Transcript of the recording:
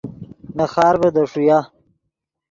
نے خارڤے دے ݰویا